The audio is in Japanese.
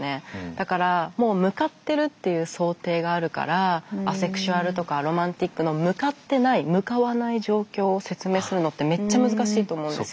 だからもう向かってるっていう想定があるからアセクシュアルとかアロマンティックの向かってない向かわない状況を説明するのってめっちゃ難しいと思うんですよ。